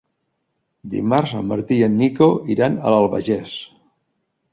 Dimarts en Martí i en Nico iran a l'Albagés.